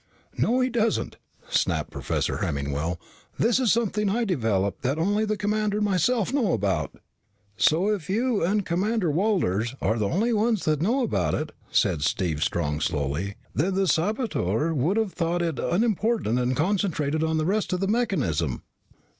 "No, he doesn't," snapped Professor Hemmingwell. "This is something I developed that only the commander and myself know about." "So, if you and Commander Walters are the only ones that know about it," said Steve Strong slowly, "then a saboteur would have thought it unimportant and concentrated on the rest of the mechanism."